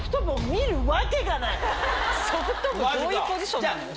ソフト部どういうポジションなの？